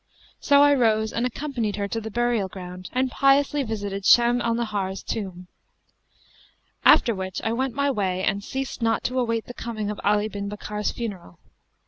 So I rose and accompanied her to the burial ground and piously visited Shams al Nahar's tomb; after which I went my way and ceased not to await the coming of Ali bin Bakkar's funeral.